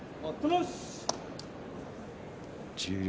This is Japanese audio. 十両